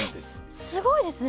えっすごいですね。